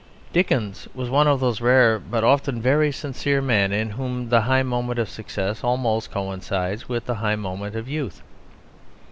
Dickens was one of those rare but often very sincere men in whom the high moment of success almost coincides with the high moment of youth.